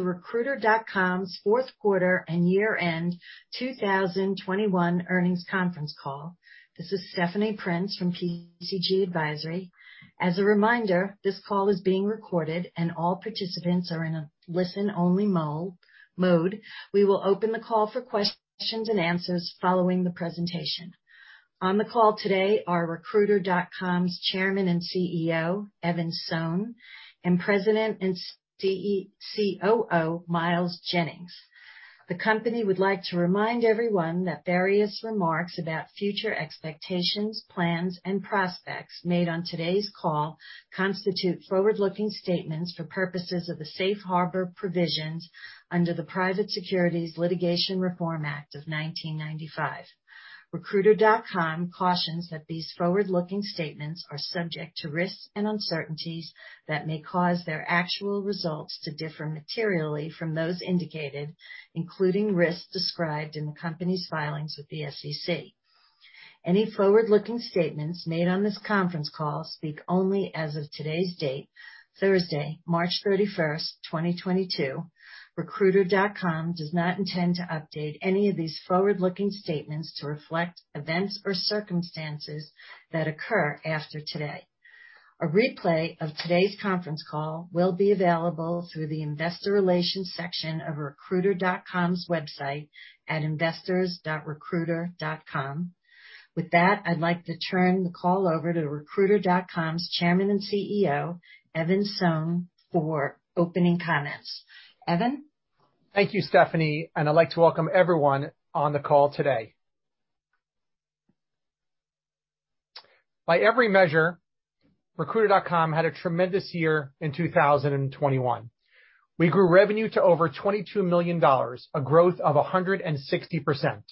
The Recruiter.com's fourth quarter and year-end 2021 earnings conference call. This is Stephanie Prince from PCG Advisory. As a reminder, this call is being recorded, and all participants are in a listen-only mode. We will open the call for questions and answers following the presentation. On the call today are Recruiter.com's Chairman and CEO, Evan Sohn, and President and COO, Miles Jennings. The company would like to remind everyone that various remarks about future expectations, plans, and prospects made on today's call constitute forward-looking statements for purposes of the safe harbor provisions under the Private Securities Litigation Reform Act of 1995. Recruiter.com cautions that these forward-looking statements are subject to risks and uncertainties that may cause their actual results to differ materially from those indicated, including risks described in the company's filings with the SEC. Any forward-looking statements made on this conference call speak only as of today's date, Thursday, March 31, 2022. Recruiter.com does not intend to update any of these forward-looking statements to reflect events or circumstances that occur after today. A replay of today's conference call will be available through the investor relations section of Recruiter.com's website at investors.recruiter.com. With that, I'd like to turn the call over to Recruiter.com's Chairman and CEO, Evan Sohn, for opening comments. Evan? Thank you, Stephanie, and I'd like to welcome everyone on the call today. By every measure, Recruiter.com had a tremendous year in 2021. We grew revenue to over $22 million, a growth of 160%.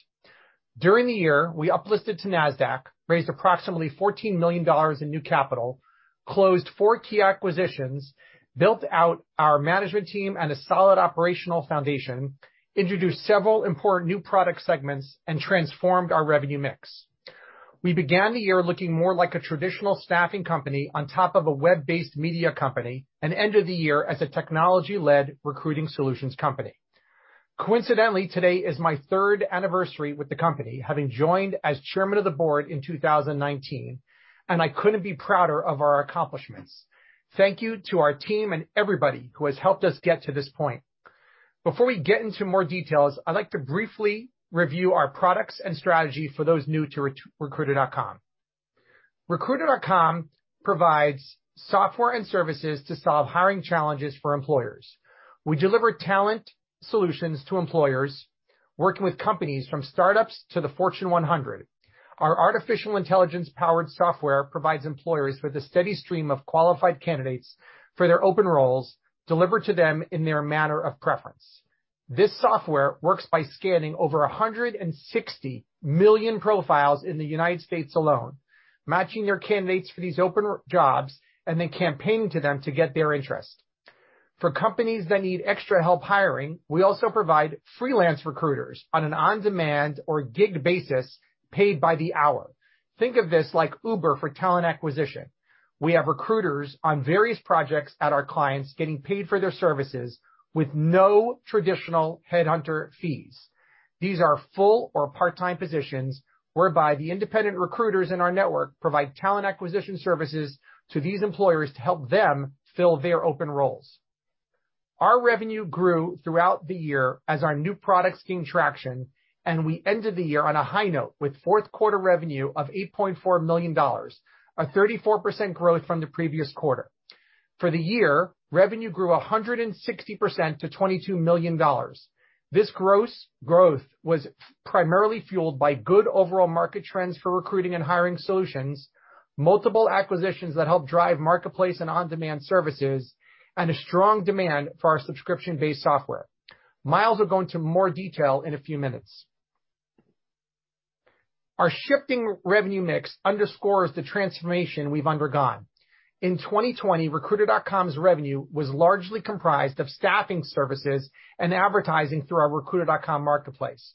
During the year, we uplisted to Nasdaq, raised approximately $14 million in new capital, closed four key acquisitions, built out our management team and a solid operational foundation, introduced several important new product segments, and transformed our revenue mix. We began the year looking more like a traditional staffing company on top of a web-based media company, and ended the year as a technology-led recruiting solutions company. Coincidentally, today is my third anniversary with the company, having joined as chairman of the board in 2019, and I couldn't be prouder of our accomplishments. Thank you to our team and everybody who has helped us get to this point. Before we get into more details, I'd like to briefly review our products and strategy for those new to recruiter.com. Recruiter.com provides software and services to solve hiring challenges for employers. We deliver talent solutions to employers, working with companies from startups to the Fortune 100. Our artificial intelligence-powered software provides employers with a steady stream of qualified candidates for their open roles, delivered to them in their manner of preference. This software works by scanning over 160 million profiles in the United States alone, matching candidates for these open roles, and then campaigning to them to get their interest. For companies that need extra help hiring, we also provide freelance recruiters on an on-demand or gig basis, paid by the hour. Think of this like Uber for talent acquisition. We have recruiters on various projects at our clients getting paid for their services with no traditional headhunter fees. These are full or part-time positions whereby the independent recruiters in our network provide talent acquisition services to these employers to help them fill their open roles. Our revenue grew throughout the year as our new products gained traction, and we ended the year on a high note with fourth quarter revenue of $8.4 million, a 34% growth from the previous quarter. For the year, revenue grew 160% to $22 million. This gross growth was primarily fueled by good overall market trends for recruiting and hiring solutions, multiple acquisitions that help drive marketplace and on-demand services, and a strong demand for our subscription-based software. Miles will go into more detail in a few minutes. Our shifting revenue mix underscores the transformation we've undergone. In 2020, Recruiter.com's revenue was largely comprised of staffing services and advertising through our Recruiter.com marketplace.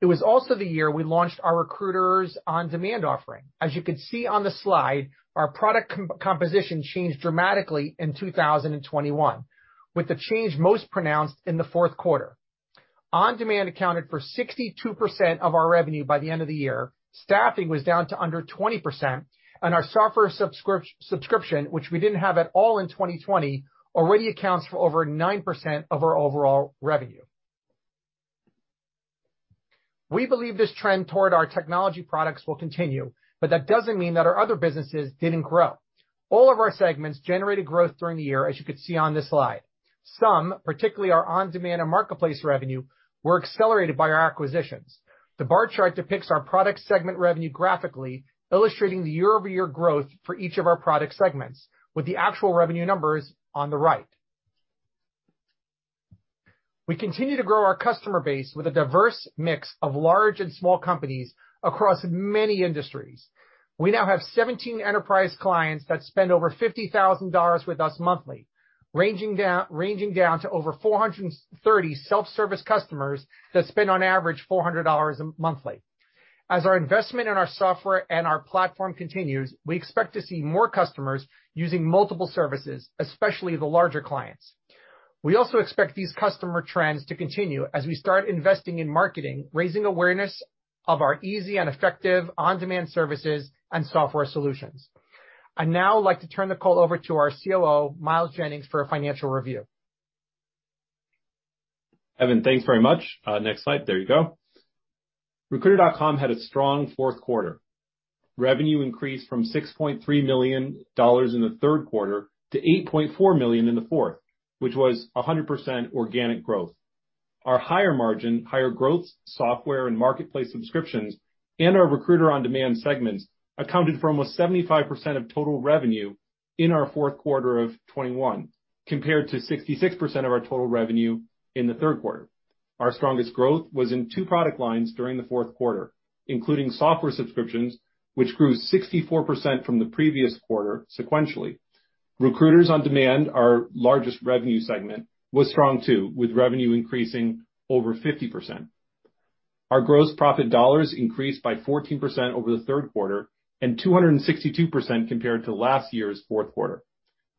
It was also the year we launched our Recruiters on Demand offering. As you can see on the slide, our product composition changed dramatically in 2021, with the change most pronounced in the fourth quarter. On-demand accounted for 62% of our revenue by the end of the year. Staffing was down to under 20%. Our software subscription, which we didn't have at all in 2020, already accounts for over 9% of our overall revenue. We believe this trend toward our technology products will continue, but that doesn't mean that our other businesses didn't grow. All of our segments generated growth during the year, as you can see on this slide. Some, particularly our on-demand and marketplace revenue, were accelerated by our acquisitions. The bar chart depicts our product segment revenue graphically, illustrating the year-over-year growth for each of our product segments with the actual revenue numbers on the right. We continue to grow our customer base with a diverse mix of large and small companies across many industries. We now have 17 enterprise clients that spend over $50,000 with us monthly, ranging down to over 430 self-service customers that spend on average $400 monthly. As our investment in our software and our platform continues, we expect to see more customers using multiple services, especially the larger clients. We also expect these customer trends to continue as we start investing in marketing, raising awareness of our easy and effective on-demand services and software solutions. I'd now like to turn the call over to our COO, Miles Jennings, for a financial review. Evan, thanks very much. Next slide. There you go. Recruiter.com had a strong fourth quarter. Revenue increased from $6.3 million in the third quarter to $8.4 million in the fourth, which was 100% organic growth. Our higher margin, higher growth software and marketplace subscriptions and our Recruiters on Demand segments accounted for almost 75% of total revenue in our fourth quarter of 2021, compared to 66% of our total revenue in the third quarter. Our strongest growth was in two product lines during the fourth quarter, including software subscriptions, which grew 64% from the previous quarter sequentially. Recruiters on Demand, our largest revenue segment, was strong, too, with revenue increasing over 50%. Our gross profit dollars increased by 14% over the third quarter and 262% compared to last year's fourth quarter.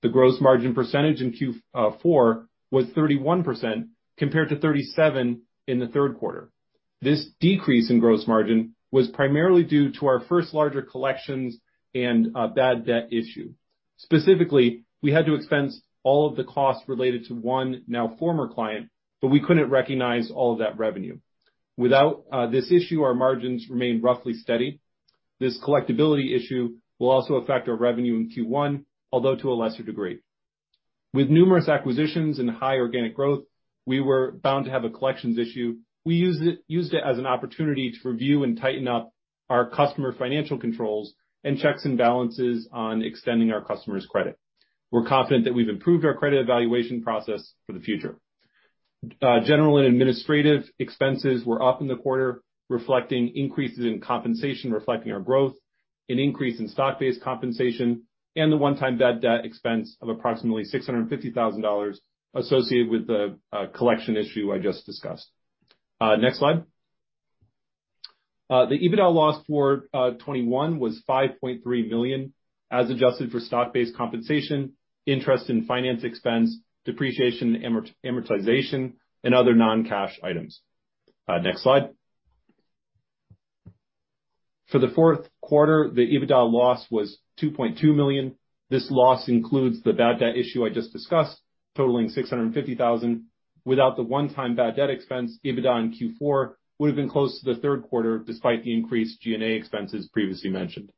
The gross margin percentage in Q4 was 31% compared to 37% in the third quarter. This decrease in gross margin was primarily due to our first larger collections and a bad debt issue. Specifically, we had to expense all of the costs related to one now former client, but we couldn't recognize all of that revenue. Without this issue, our margins remain roughly steady. This collectibility issue will also affect our revenue in Q1, although to a lesser degree. With numerous acquisitions and high organic growth, we were bound to have a collections issue. We used it as an opportunity to review and tighten up our customer financial controls and checks and balances on extending our customers credit. We're confident that we've improved our credit evaluation process for the future. General and administrative expenses were up in the quarter, reflecting increases in compensation, reflecting our growth, an increase in stock-based compensation, and the one-time bad debt expense of approximately $650,000 associated with the collection issue I just discussed. Next slide. The EBITDA loss for 2021 was $5.3 million, as adjusted for stock-based compensation, interest and finance expense, depreciation and amortization, and other non-cash items. Next slide. For the fourth quarter, the EBITDA loss was $2.2 million. This loss includes the bad debt issue I just discussed, totaling $650,000. Without the one-time bad debt expense, EBITDA in Q4 would have been close to the third quarter, despite the increased G&A expenses previously mentioned.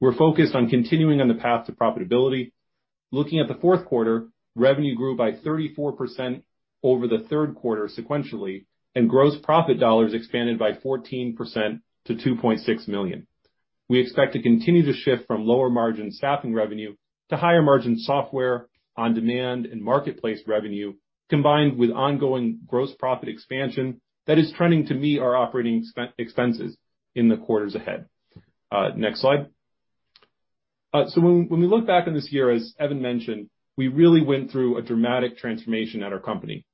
We're focused on continuing on the path to profitability. Looking at the fourth quarter, revenue grew by 34% over the third quarter sequentially, and gross profit dollars expanded by 14% to $2.6 million. We expect to continue to shift from lower-margin staffing revenue to higher-margin software on demand and marketplace revenue, combined with ongoing gross profit expansion that is trending to meet our operating expenses in the quarters ahead. Next slide. When we look back on this year, as Evan mentioned, we really went through a dramatic transformation at our company.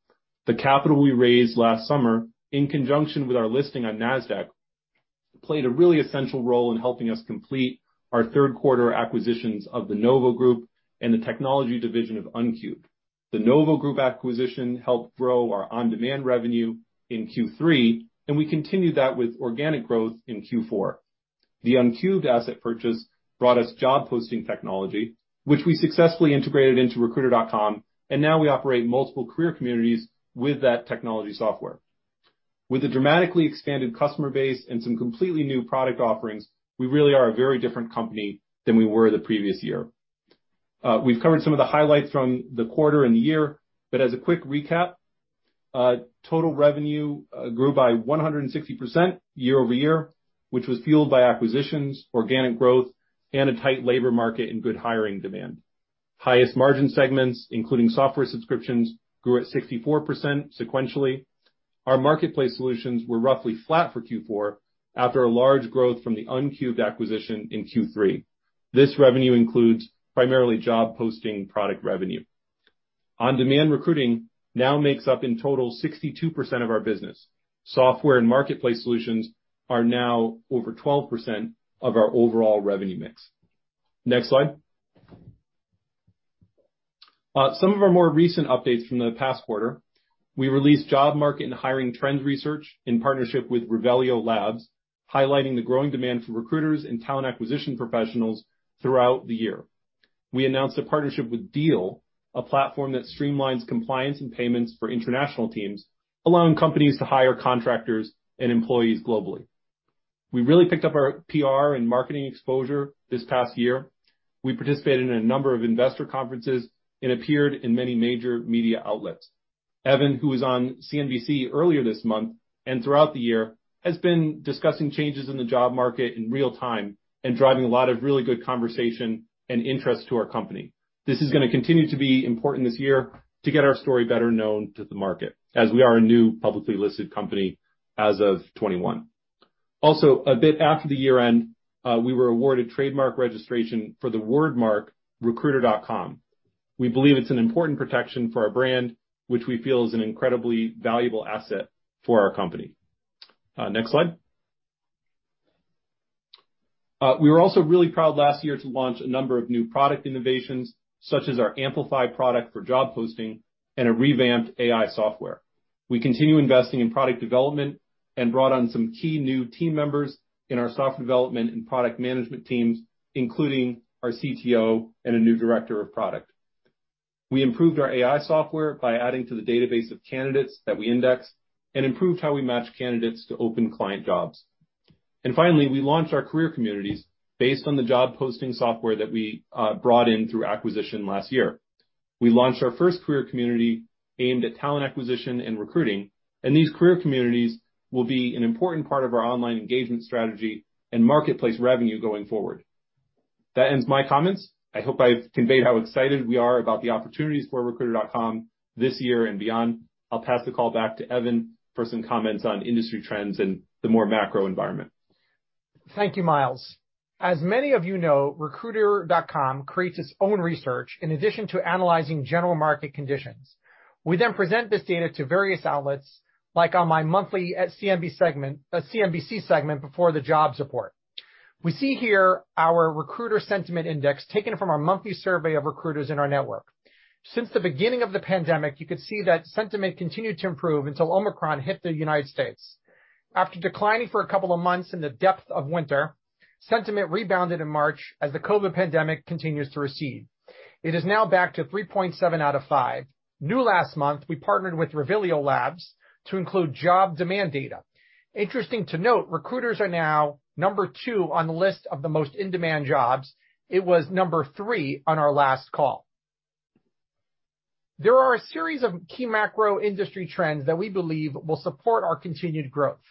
The capital we raised last summer, in conjunction with our listing on Nasdaq, played a really essential role in helping us complete our third quarter acquisitions of the Novo Group and the technology division of Uncubed. The Novo Group acquisition helped grow our on-demand revenue in Q3, and we continued that with organic growth in Q4. The Uncubed asset purchase brought us job posting technology, which we successfully integrated into Recruiter.com, and now we operate multiple career communities with that technology software. With a dramatically expanded customer base and some completely new product offerings, we really are a very different company than we were the previous year. We've covered some of the highlights from the quarter and the year, but as a quick recap, total revenue grew by 160% year-over-year, which was fueled by acquisitions, organic growth, and a tight labor market and good hiring demand. Highest margin segments, including software subscriptions, grew at 64% sequentially. Our marketplace solutions were roughly flat for Q4 after a large growth from the Uncubed acquisition in Q3. This revenue includes primarily job posting product revenue. On-demand recruiting now makes up in total 62% of our business. Software and marketplace solutions are now over 12% of our overall revenue mix. Next slide. Some of our more recent updates from the past quarter. We released job market and hiring trends research in partnership with Revelio Labs, highlighting the growing demand for recruiters and talent acquisition professionals throughout the year. We announced a partnership with Deel, a platform that streamlines compliance and payments for international teams, allowing companies to hire contractors and employees globally. We really picked up our PR and marketing exposure this past year. We participated in a number of investor conferences and appeared in many major media outlets. Evan, who was on CNBC earlier this month and throughout the year, has been discussing changes in the job market in real time and driving a lot of really good conversation and interest to our company. This is gonna continue to be important this year to get our story better known to the market, as we are a new publicly listed company as of 2021. Also, a bit after the year-end, we were awarded trademark registration for the word mark recruiter.com. We believe it's an important protection for our brand, which we feel is an incredibly valuable asset for our company. Next slide. We were also really proud last year to launch a number of new product innovations such as our Amplify product for job posting and a revamped AI software. We continue investing in product development and brought on some key new team members in our software development and product management teams, including our CTO and a new director of product. We improved our AI software by adding to the database of candidates that we indexed and improved how we match candidates to open client jobs. Finally, we launched our career communities based on the job posting software that we brought in through acquisition last year. We launched our first career community aimed at talent acquisition and recruiting, and these career communities will be an important part of our online engagement strategy and marketplace revenue going forward. That ends my comments. I hope I've conveyed how excited we are about the opportunities for Recruiter.com this year and beyond. I'll pass the call back to Evan for some comments on industry trends and the more macro environment. Thank you, Miles. As many of you know, Recruiter.com creates its own research in addition to analyzing general market conditions. We then present this data to various outlets, like on my monthly CNBC segment before the jobs report. We see here our Recruiter Sentiment Index taken from our monthly survey of recruiters in our network. Since the beginning of the pandemic, you could see that sentiment continued to improve until Omicron hit the United States. After declining for a couple of months in the depth of winter, sentiment rebounded in March as the COVID pandemic continues to recede. It is now back to 3.7 out of 5. Now, last month, we partnered with Revelio Labs to include job demand data. Interesting to note, recruiters are now 2 on the list of the most in-demand jobs. It was 3 on our last call. There are a series of key macro industry trends that we believe will support our continued growth.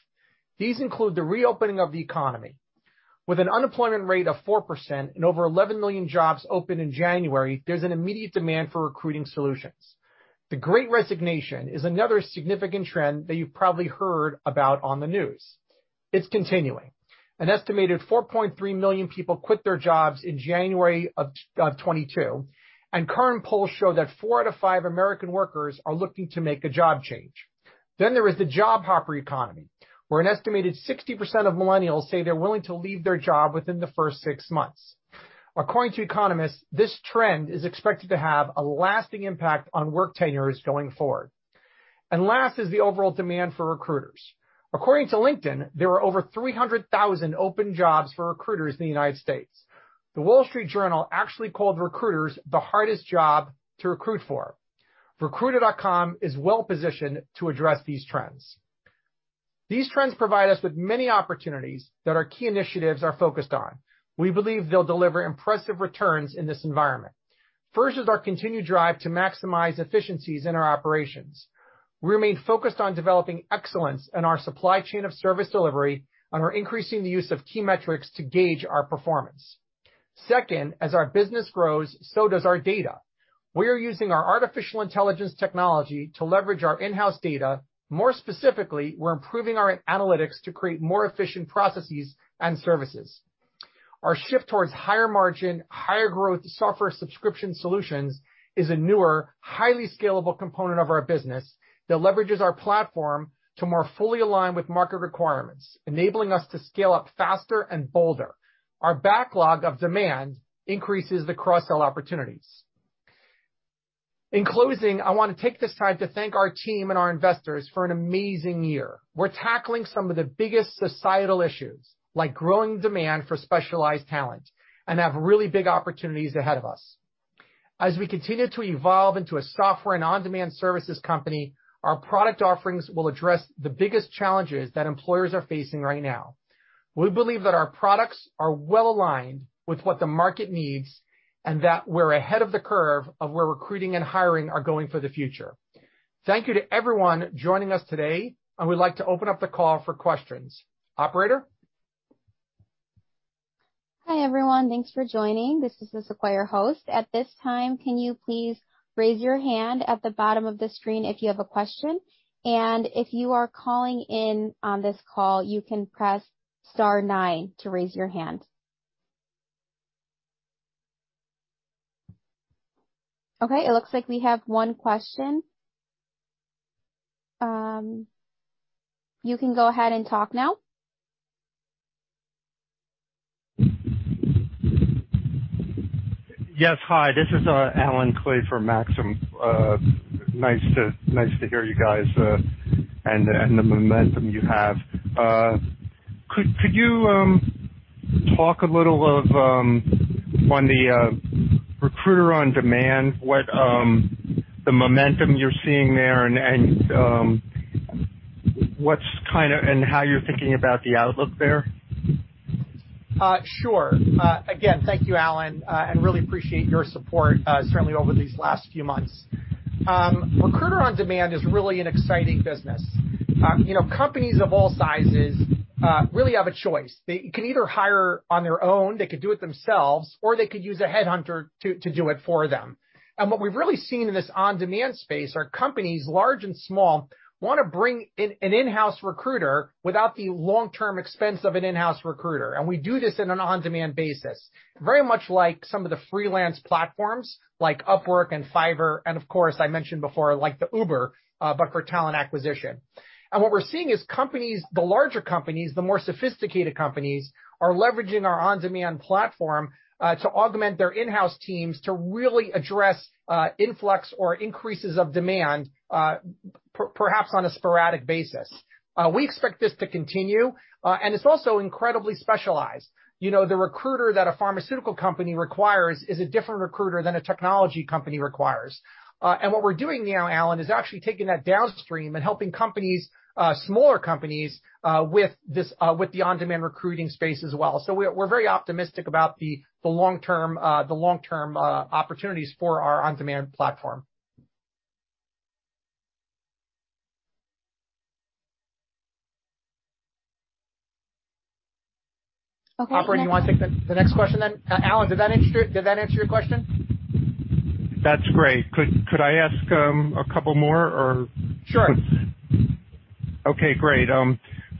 These include the reopening of the economy. With an unemployment rate of 4% and over 11 million jobs open in January, there's an immediate demand for recruiting solutions. The Great Resignation is another significant trend that you've probably heard about on the news. It's continuing. An estimated 4.3 million people quit their jobs in January of 2022, and current polls show that four out of five American workers are looking to make a job change. Then there is the job hopper economy, where an estimated 60% of millennials say they're willing to leave their job within the first six months. According to economists, this trend is expected to have a lasting impact on work tenures going forward. Last is the overall demand for recruiters. According to LinkedIn, there are over 300,000 open jobs for recruiters in the United States. The Wall Street Journal actually called recruiters the hardest job to recruit for. Recruiter.com is well positioned to address these trends. These trends provide us with many opportunities that our key initiatives are focused on. We believe they'll deliver impressive returns in this environment. First is our continued drive to maximize efficiencies in our operations. We remain focused on developing excellence in our supply chain of service delivery and are increasing the use of key metrics to gauge our performance. Second, as our business grows, so does our data. We are using our artificial intelligence technology to leverage our in-house data. More specifically, we're improving our analytics to create more efficient processes and services. Our shift towards higher margin, higher growth software subscription solutions is a newer, highly scalable component of our business that leverages our platform to more fully align with market requirements, enabling us to scale up faster and bolder. Our backlog of demand increases the cross-sell opportunities. In closing, I want to take this time to thank our team and our investors for an amazing year. We're tackling some of the biggest societal issues, like growing demand for specialized talent, and have really big opportunities ahead of us. As we continue to evolve into a software and on-demand services company, our product offerings will address the biggest challenges that employers are facing right now. We believe that our products are well aligned with what the market needs and that we're ahead of the curve of where recruiting and hiring are going for the future. Thank you to everyone joining us today, and we'd like to open up the call for questions. Operator? Hi, everyone. Thanks for joining. This is the Sequire host. At this time, can you please raise your hand at the bottom of the screen if you have a question? If you are calling in on this call, you can press star nine to raise your hand. Okay, it looks like we have one question. You can go ahead and talk now. Yes. Hi, this is Allen Klee for Maxim. Nice to hear you guys and the momentum you have. Could you talk a little on the Recruiters on Demand, what the momentum you're seeing there and how you're thinking about the outlook there? Sure. Again, thank you, Allen, and I really appreciate your support, certainly over these last few months. Recruiters on Demand is really an exciting business. You know, companies of all sizes really have a choice. They can either hire on their own, they could do it themselves, or they could use a headhunter to do it for them. What we've really seen in this on-demand space are companies, large and small, wanna bring an in-house recruiter without the long-term expense of an in-house recruiter. We do this in an on-demand basis, very much like some of the freelance platforms like Upwork and Fiverr, and of course, I mentioned before, like the Uber, but for talent acquisition. What we're seeing is companies, the larger companies, the more sophisticated companies are leveraging our on-demand platform to augment their in-house teams to really address influx or increases of demand perhaps on a sporadic basis. We expect this to continue, and it's also incredibly specialized. You know, the recruiter that a pharmaceutical company requires is a different recruiter than a technology company requires. What we're doing now, Allen, is actually taking that downstream and helping companies, smaller companies, with this, with the on-demand recruiting space as well. We're very optimistic about the long-term opportunities for our on-demand platform. Okay. Operator, you wanna take the next question then? Allen, did that answer your question? That's great. Could I ask a couple more or Sure. Okay, great.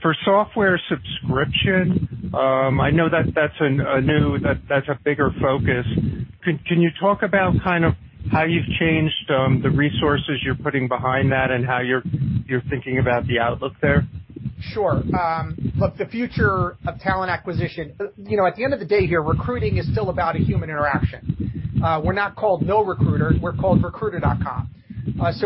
For software subscription, I know that's a bigger focus. Can you talk about kind of how you've changed the resources you're putting behind that and how you're thinking about the outlook there? Sure. Look, the future of talent acquisition, you know, at the end of the day here, recruiting is still about a human interaction. We're not called No Recruiter, we're called Recruiter.com.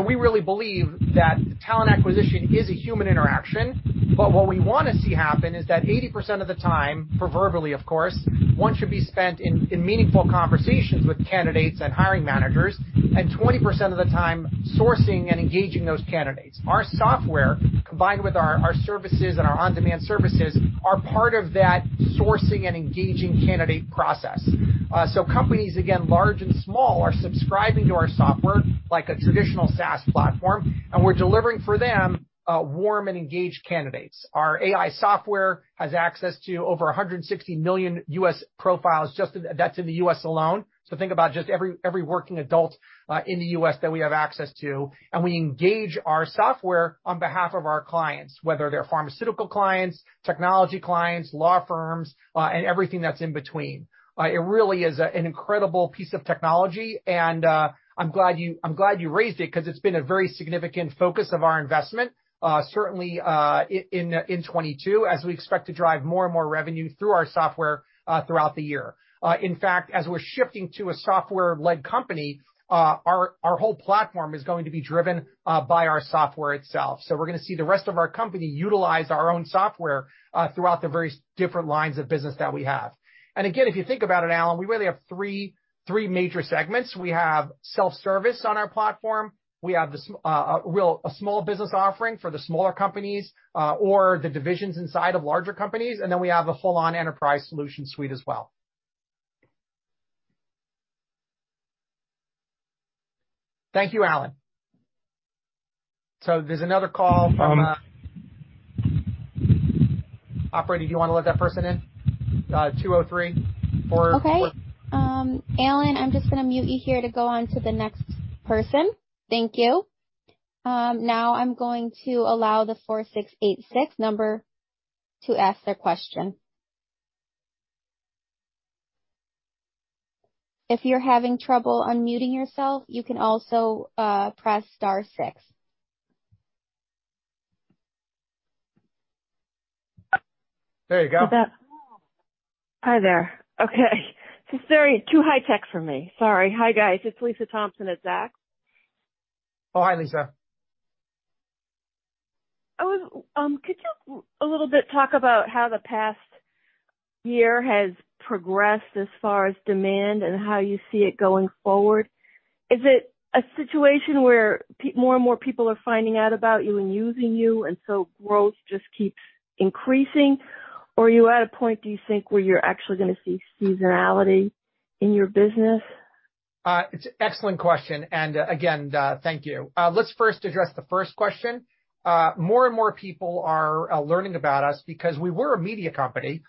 We really believe that talent acquisition is a human interaction, but what we wanna see happen is that 80% of the time, proverbially of course, one should be spent in meaningful conversations with candidates and hiring managers, and 20% of the time sourcing and engaging those candidates. Our software, combined with our services and our on-demand services, are part of that sourcing and engaging candidate process. Companies, again, large and small, are subscribing to our software like a traditional SaaS platform, and we're delivering for them, warm and engaged candidates. Our AI software has access to over 160 million U.S. profiles. That's in the U.S. alone. Think about just every working adult in the U.S. that we have access to, and we engage our software on behalf of our clients, whether they're pharmaceutical clients, technology clients, law firms, and everything that's in between. It really is an incredible piece of technology, and I'm glad you raised it 'cause it's been a very significant focus of our investment, certainly in 2022 as we expect to drive more and more revenue through our software throughout the year. In fact, as we're shifting to a software-led company, our whole platform is going to be driven by our software itself. We're gonna see the rest of our company utilize our own software throughout the various different lines of business that we have. Again, if you think about it, Allen, we really have three major segments. We have self-service on our platform. We have a small business offering for the smaller companies or the divisions inside of larger companies. Then we have a full-on enterprise solution suite as well. Thank you, Allen. There's another call from Operator, do you wanna let that person in? 203, 4- Okay. Allen, I'm just gonna mute you here to go on to the next person. Thank you. Now I'm going to allow the 4686 number to ask their question. If you're having trouble unmuting yourself, you can also press star six. There you go. Hi there. Okay. This is too high tech for me. Sorry. Hi, guys. It's Lisa Thompson at Zacks. Oh, hi, Lisa. Could you a little bit talk about how the past year has progressed as far as demand and how you see it going forward? Is it a situation where more and more people are finding out about you and using you, and so growth just keeps increasing? Are you at a point, do you think, where you're actually gonna see seasonality in your business? It's an excellent question. Again, thank you. Let's first address the first question. More and more people are learning about us because we were a media company,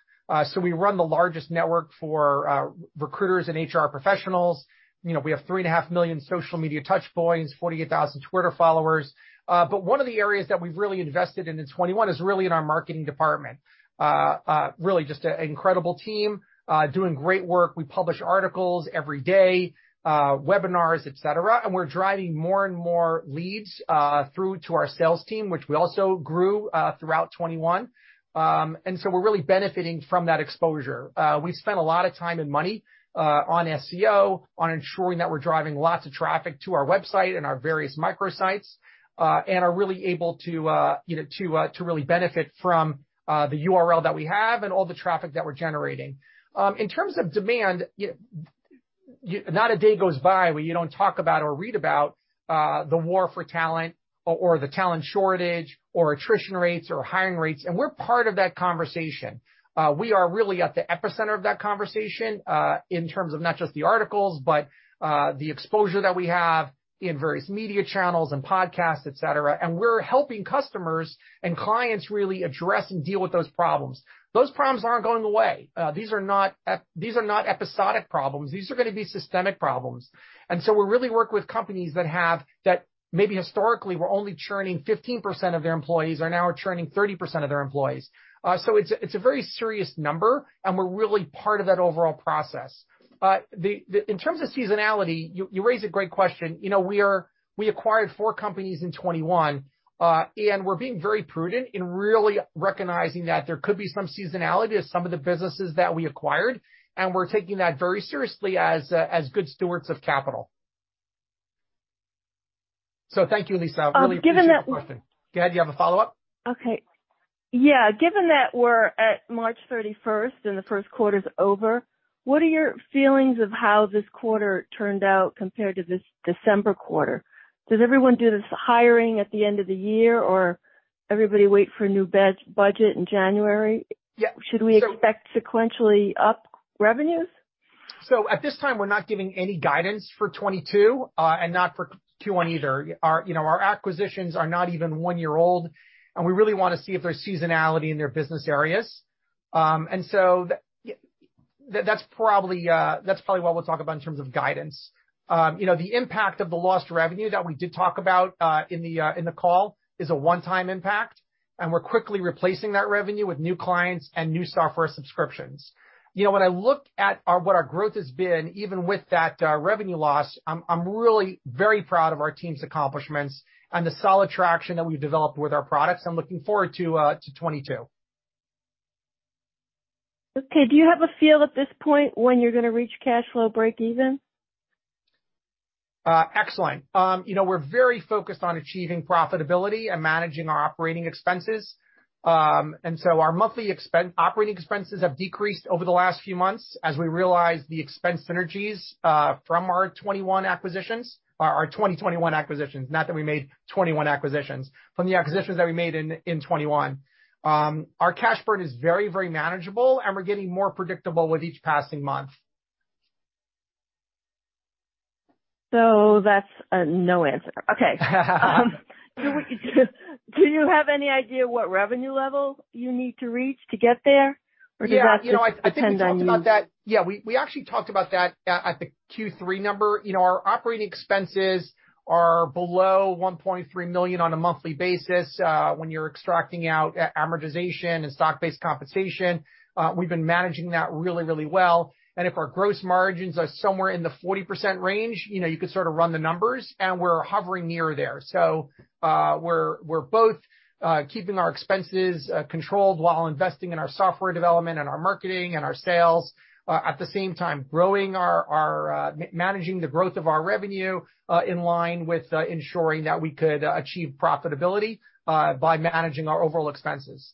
so we run the largest network for recruiters and HR professionals. You know, we have 3.5 million social media touchpoints, 48,000 Twitter followers. But one of the areas that we've really invested in 2021 is really in our marketing department. Really just an incredible team doing great work. We publish articles every day, webinars, et cetera, and we're driving more and more leads through to our sales team, which we also grew throughout 2021. We're really benefiting from that exposure. We spent a lot of time and money on SEO, on ensuring that we're driving lots of traffic to our website and our various microsites, and are really able, you know, to really benefit from the URL that we have and all the traffic that we're generating. In terms of demand, not a day goes by where you don't talk about or read about the war for talent or the talent shortage or attrition rates or hiring rates, and we're part of that conversation. We are really at the epicenter of that conversation in terms of not just the articles, but the exposure that we have in various media channels and podcasts, et cetera. We're helping customers and clients really address and deal with those problems. Those problems aren't going away. These are not episodic problems. These are gonna be systemic problems. We really work with companies that have that maybe historically were only churning 15% of their employees are now churning 30% of their employees. It's a very serious number, and we're really part of that overall process. In terms of seasonality, you raise a great question. You know, we acquired four companies in 2021, and we're being very prudent in really recognizing that there could be some seasonality as some of the businesses that we acquired, and we're taking that very seriously as good stewards of capital. Thank you, Lisa. Given that. Really appreciate the question. Go ahead. Do you have a follow-up? Okay. Yeah. Given that we're at March 31 and the first quarter's over, what are your feelings of how this quarter turned out compared to this December quarter? Does everyone do this hiring at the end of the year, or everybody wait for a new budget in January? Yeah. Should we expect sequentially up revenues? At this time, we're not giving any guidance for 2022 and not for Q1 either. Our our acquisitions are not even 1 year old, and we really wanna see if there's seasonality in their business areas. That's probably what we'll talk about in terms of guidance. You know, the impact of the lost revenue that we did talk about in the call is a one-time impact, and we're quickly replacing that revenue with new clients and new software subscriptions. You know, when I look at what our growth has been, even with that revenue loss, I'm really very proud of our team's accomplishments and the solid traction that we've developed with our products. I'm looking forward to 2022. Okay. Do you have a feel at this point when you're gonna reach cash flow breakeven? Excellent. You know, we're very focused on achieving profitability and managing our operating expenses. Our monthly operating expenses have decreased over the last few months as we realize the expense synergies from our 2021 acquisitions. Our 2021 acquisitions, not that we made 21 acquisitions. From the acquisitions that we made in 2021. Our cash burn is very manageable, and we're getting more predictable with each passing month. That's a no answer. Okay. Do you have any idea what revenue level you need to reach to get there? Or does that just depend on- Yeah. You know, I think we talked about that. Yeah, we actually talked about that at the Q3 number. You know, our operating expenses are below $1.3 million on a monthly basis when you're extracting out amortization and stock-based compensation. We've been managing that really well. If our gross margins are somewhere in the 40% range, you know, you could sort of run the numbers, and we're hovering near there. We're both keeping our expenses controlled while investing in our software development and our marketing and our sales. At the same time, managing the growth of our revenue in line with ensuring that we could achieve profitability by managing our overall expenses.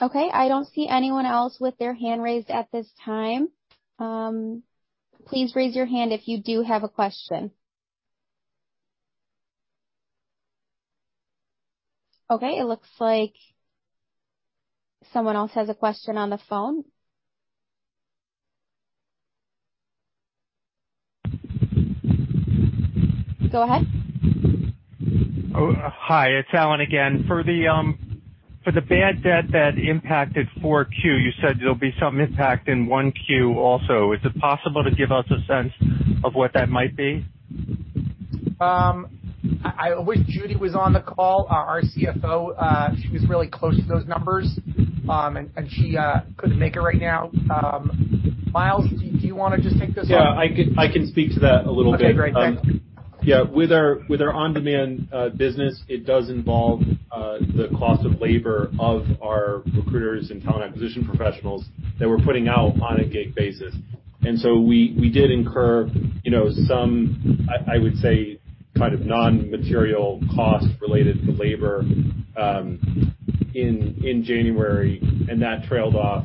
Okay. I don't see anyone else with their hand raised at this time. Please raise your hand if you do have a question. Okay, it looks like someone else has a question on the phone. Go ahead. Oh, hi, it's Allen again. For the bad debt that impacted Q4, you said there'll be some impact in Q1 also. Is it possible to give us a sense of what that might be? I wish Judy was on the call, our CFO. She was really close to those numbers, and she couldn't make it right now. Miles, do you wanna just take this one? Yeah, I can speak to that a little bit. Okay, great. Thanks. Yeah. With our on-demand business, it does involve the cost of labor of our recruiters and talent acquisition professionals that we're putting out on a gig basis. We did incur, you know, some, I would say, kind of non-material costs related to labor in January, and that trailed off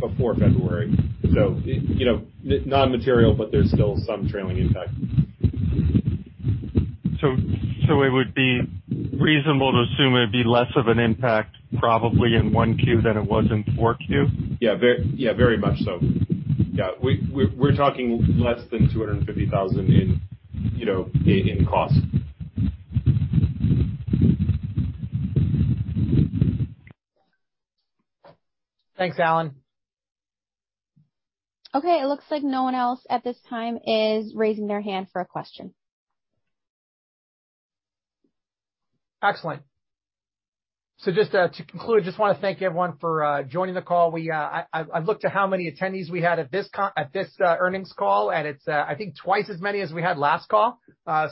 before February. You know, non-material, but there's still some trailing impact. It would be reasonable to assume it would be less of an impact probably in 1Q than it was in 4Q? Yeah, very much so. Yeah. We're talking less than $250,000 in, you know, in cost. Thanks, Allen. Okay, it looks like no one else at this time is raising their hand for a question. Excellent. Just to conclude, just wanna thank everyone for joining the call. I've looked to how many attendees we had at this earnings call, and it's, I think twice as many as we had last call. I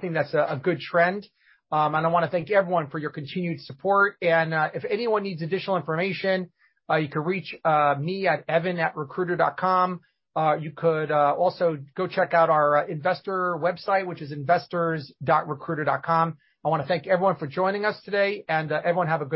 think that's a good trend. I wanna thank everyone for your continued support. If anyone needs additional information, you can reach me at evan@recruiter.com. You could also go check out our investor website, which is investors.recruiter.com. I wanna thank everyone for joining us today, and everyone have a good evening.